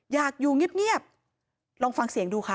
อยากอยู่เงียบลองฟังเสียงดูค่ะ